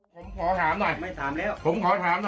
ผมขอถามหน่อยไม่ถามแล้วผมขอถามหน่อย